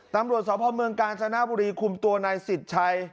ตำรวจสระพอมเมืองกลางค์สนามบุรีคุมตัวนายสิบชัย